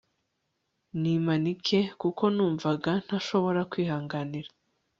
nimanike kuko numvaga ntashobora kwihanganira